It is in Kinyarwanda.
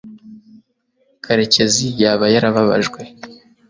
karekezi yaba yarababajwe